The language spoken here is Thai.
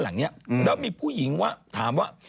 แล้วมีผู้หญิงอ่ะถามว่า